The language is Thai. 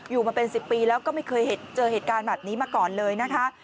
อยู่มาเป็น๑๐ปีแล้วก็ไม่เคยเจอเหตุการณ์แบบนี้มาก่อนเลยนะคะ